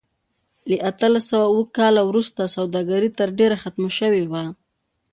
له اتلس سوه اووه کال وروسته سوداګري تر ډېره ختمه شوې وه.